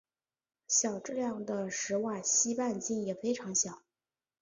小质量的史瓦西半径也非常小。